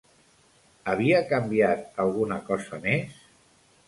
Havia canviat alguna cosa més?